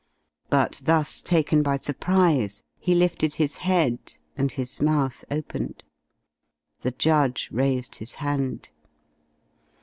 But thus taken by surprise, he lifted his head, and his mouth opened. The judge raised his hand.